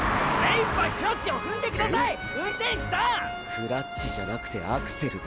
クラッチじゃなくてアクセルだ。